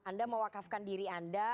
anda mewakafkan diri anda